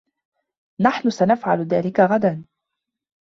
نحن سنفعل ذلك غداً.